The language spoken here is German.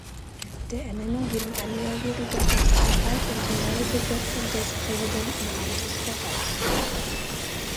Der Ernennung ging ein mehrjähriger Rechtsstreit um die Neubesetzung des Präsidentenamtes voraus.